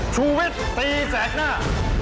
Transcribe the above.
ชุวิตตีแสกหน้า